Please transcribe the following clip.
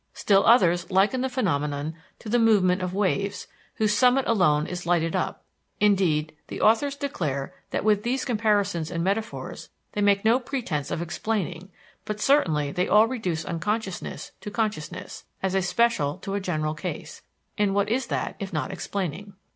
Still others liken the phenomenon to the movement of waves, whose summit alone is lighted up. Indeed, the authors declare that with these comparisons and metaphors they make no pretense of explaining; but certainly they all reduce unconsciousness to consciousness, as a special to a general case, and what is that if not explaining?